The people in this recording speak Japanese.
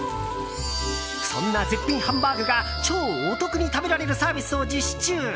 そんな絶品ハンバーグが超お得に食べられるサービスを実施中。